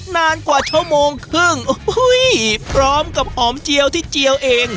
นานกว่าชั่วโมงครึ่งพร้อมกับหอมเจียวที่เจียวเอง